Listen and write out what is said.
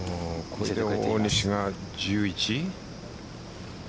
これで大西が１１？